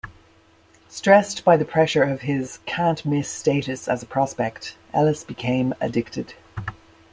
Stressed by the pressure of his "can't-miss" status as a prospect, Ellis became addicted.